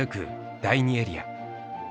第２エリア。